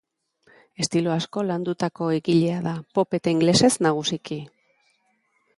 Estilo asko landutako egilea da, pop eta ingelesez nagusiki.